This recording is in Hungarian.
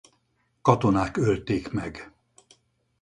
Katonák ölték meg.